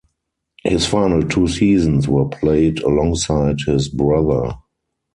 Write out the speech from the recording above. His final two seasons were played alongside his brother.